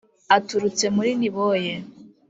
aturutse muri niboye